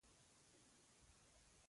موږ په حیث د ملت اخیستونکي یو.